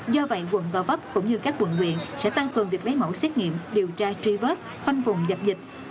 do vậy quận gò vấp cũng như các quận nguyện sẽ tăng cường việc lấy mẫu xét nghiệm điều tra truy vớt hoanh vùng dập dịch